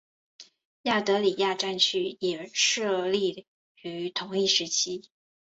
亚德里亚战区也设立于同一时期。